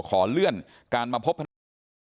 ขอเลื่อนการมาพบพนักงาน